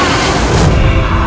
aku hanya berharap